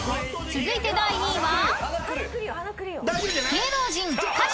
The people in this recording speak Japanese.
［続いて第３位は？］